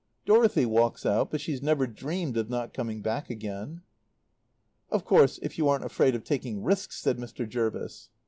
Dorothy walks out, but she's never dreamed of not coming back again." "Of course, if you aren't afraid of taking risks," said Mr. Jervis.